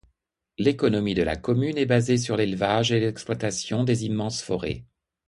L'économie de la commune est basée sur l'élevage et l'exploitation des immenses forêts.